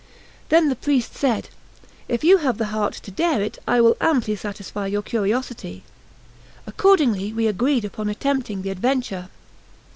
Then the priest said: "If you have the heart to dare it, I will amply satisfy your curiosity." Accordingly we agreed upon attempting the adventure.